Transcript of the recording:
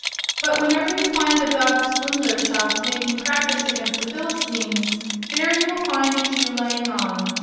But whenever you find a Davidsbündlerschaft making practise against the Philistines, there you will find a Jew laying on.